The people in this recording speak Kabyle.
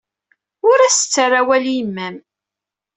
Ur as-ttarra awal i yemma-m.